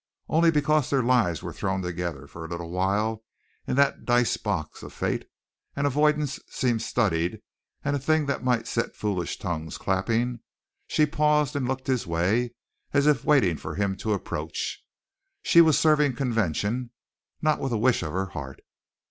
Only because their lives were thrown together for a little while in that dice box of fate, and avoidance seemed studied and a thing that might set foolish tongues clapping, she paused and looked his way as if waiting for him to approach. She was serving convention, not with a wish of her heart.